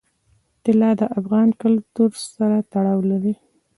طلا د افغان کلتور سره تړاو لري.